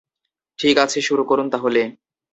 ঠিক আছে, শুরু করুন তাহলে!